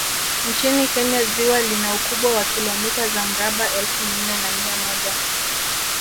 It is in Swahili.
Nchini Kenya ziwa lina ukubwa wa kilomita za mraba elfu nne na mia moja